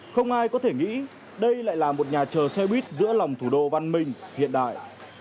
không ai có thể nghĩ đây lại là một nhà chờ xe buýt giữa lòng thủ đô văn minh hiện đại